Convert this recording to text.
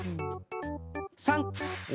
３。